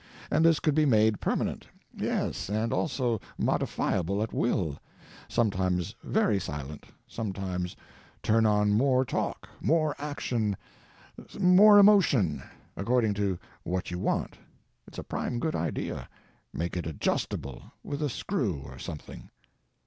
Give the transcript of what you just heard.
And this could be made permanent—yes, and also modifiable, at will—sometimes very silent, sometimes turn on more talk, more action, more emotion, according to what you want. It's a prime good idea. Make it adjustable—with a screw or something."